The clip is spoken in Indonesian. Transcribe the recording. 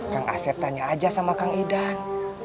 kang asep tanya aja sama kang idan